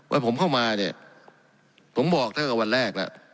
ว่าผมเข้ามาเนี้ยผมบอกเท่ากับวันแรกล่ะ